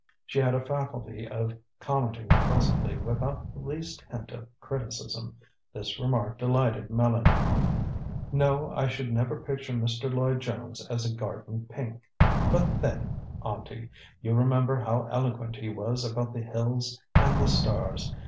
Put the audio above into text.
She had a faculty of commenting pleasantly without the least hint of criticism. This remark delighted Mélanie. "No; I should never picture Mr. Lloyd Jones as a garden pink. But then, Auntie, you remember how eloquent he was about the hills and the stars.